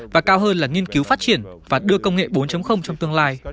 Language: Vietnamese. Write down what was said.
và cao hơn là nghiên cứu phát triển và đưa công nghệ bốn trong tương lai